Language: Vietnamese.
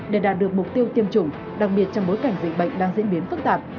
để đạt được mục tiêu tiêm chủng đặc biệt trong bối cảnh dịch bệnh đang diễn biến phức tạp